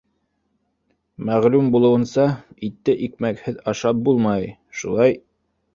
Мәғлүм булыуынса, итте икмәкһеҙ ашап булмай, шулай